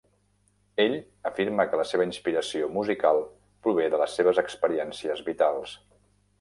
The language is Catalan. Ell afirma que la seva inspiració musical prové de les seves experiències vitals.